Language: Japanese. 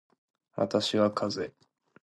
私はかぜ